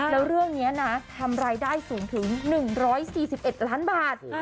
แล้วเรื่องนี้นะทำรายได้สูงถึง๑๔๑ล้านบาท